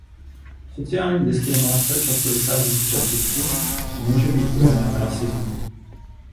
Sociální diskriminace často vychází z předsudků a může být projevem rasismu.